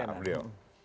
nah amri om